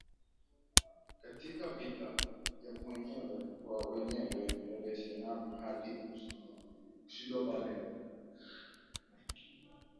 katika vita ya wenyewe kwa wenyewe ya Vietnam hadi kushindwa pale